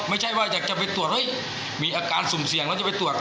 ไม่ใช่ว่าอยากจะไปตรวจเฮ้ยมีอาการสุ่มเสี่ยงแล้วจะไปตรวจ